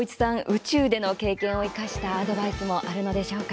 宇宙での経験を生かしたアドバイスもあるのでしょうか。